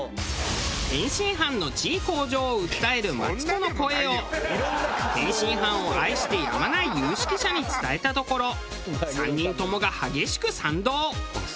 天津飯の地位向上を訴えるマツコの声を天津飯を愛してやまない有識者に伝えたところ３人ともが激しく賛同。